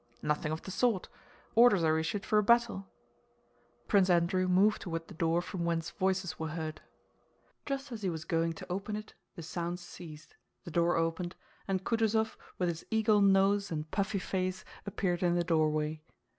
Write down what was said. "Nothing of the sort. Orders are issued for a battle." Prince Andrew moved toward the door from whence voices were heard. Just as he was going to open it the sounds ceased, the door opened, and Kutúzov with his eagle nose and puffy face appeared in the doorway.